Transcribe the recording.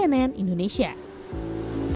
sampai jumpa di video selanjutnya